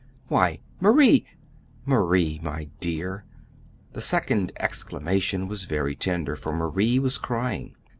"Why, Marie! Marie, my dear!" The second exclamation was very tender, for Marie was crying.